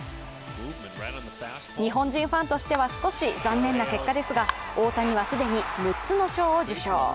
日本人ファンとしては少し残念な結果ですが、大谷は既に６つの賞を受賞。